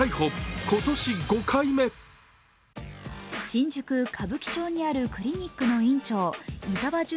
新宿・歌舞伎町にあるクリニックの院長伊沢純